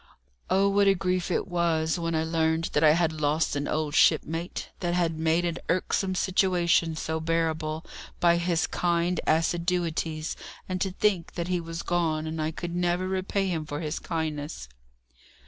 Oh, what a grief it was when I learned that I had lost an old shipmate, that had made an irksome situation so bearable by his kind assiduities, and to think that he was gone, and I could never repay him for his kindness!